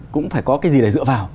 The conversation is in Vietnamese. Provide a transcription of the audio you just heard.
cũng phải có cái gì để dựa vào